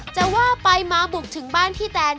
จะว่าไปมาบุกถึงบ้านพี่แตน